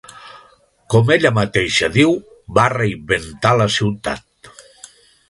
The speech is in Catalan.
Com ella mateixa diu, va reinventar la ciutat.